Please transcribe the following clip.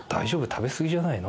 食べ過ぎじゃないの？